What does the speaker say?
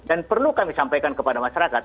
perlu kami sampaikan kepada masyarakat